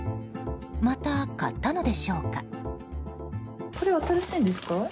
また買ったのでしょうか？